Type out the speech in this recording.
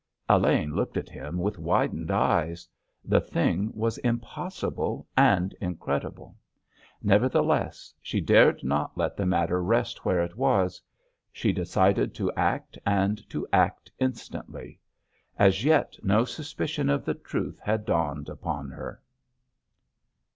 Elaine looked at him with widened eyes. The thing was impossible and incredible. Nevertheless, she dared not let the matter rest where it was. She decided to act, and to act instantly. As yet no suspicion of the truth had dawned upon her.